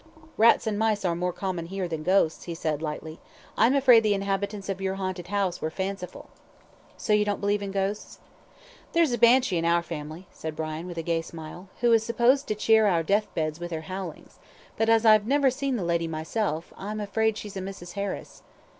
"Rats and mice are more common here than ghosts," he said, lightly. "I'm afraid the inhabitants of your haunted house were fanciful." "So you don't believe in ghosts?" "There's a Banshee in our family," said Brian, with a gay smile, "who is supposed to cheer our death beds with her howlings; but as I've never seen the lady myself, I'm afraid she's a Mrs. Harris."